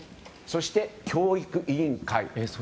そして教育委員会。